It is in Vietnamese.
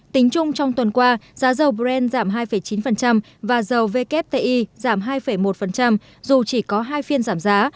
tính chung trong tuần qua giá dầu brent giảm hai chín và dầu wti giảm hai một dù chỉ có hai phiên giảm giá